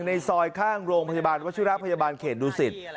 ในซอยข้างโรงพยาบาลวชิระพยาบาลเขตดูสิต